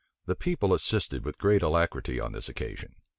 The people assisted with great alacrity on this occasion.